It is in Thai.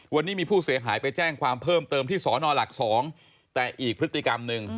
วันนี้มีผู้เสียหายไปแจ้งความเพิ่มเติมที่สอนอหลัก๒แต่อีกพฤติกรรมหนึ่ง